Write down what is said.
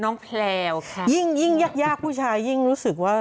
ต้องมีแต่คนในโซเชียลว่าถ้ามีข่าวแบบนี้บ่อยทำไมถึงเชื่อขนาดใด